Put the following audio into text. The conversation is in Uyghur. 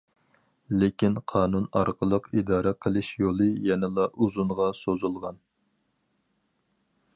لېكىن قانۇن ئارقىلىق ئىدارە قىلىش يولى يەنىلا ئۇزۇنغا سوزۇلغان.